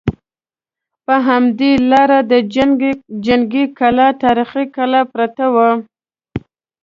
په همدې لاره د جنګي کلا تاریخي کلا پرته وه.